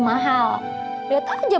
saya masih masih